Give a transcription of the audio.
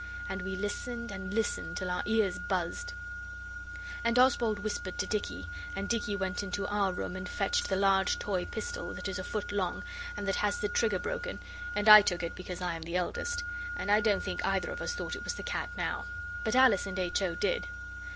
And we listened and listened till our ears buzzed. And Oswald whispered to Dicky, and Dicky went into our room and fetched the large toy pistol that is a foot long, and that has the trigger broken, and I took it because I am the eldest; and I don't think either of us thought it was the cat now. But Alice and H. O. did.